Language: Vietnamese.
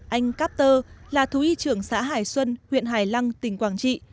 anh capter là thú y trưởng xã hải xuân huyện hải lăng tỉnh quảng trị